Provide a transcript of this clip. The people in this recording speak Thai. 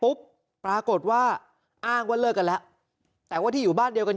ปรากฏว่าอ้างว่าเลิกกันแล้วแต่ว่าที่อยู่บ้านเดียวกัน